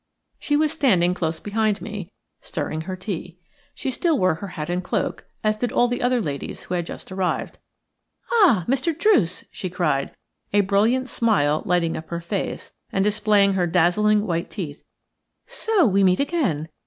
She was standing close behind me, stirring her tea. She still wore her hat and cloak, as did all the other ladies who had just arrived. "Ah, Mr. Druce," she cried, a brilliant smile lighting up her face and displaying her dazzling white teeth, "so we meet again.